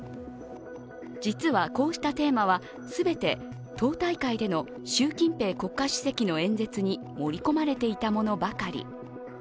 実はこうしたテーマは全て党大会での習近平国家主席の演説に盛り込まれていたものばかり。